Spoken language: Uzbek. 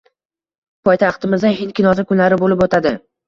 Poytaxtimizda “Hind kinosi kunlari" bo‘lib o‘tadi